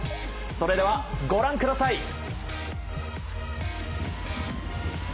それでは、ご覧ください。